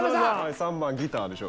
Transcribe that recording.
３番ギターでしょ。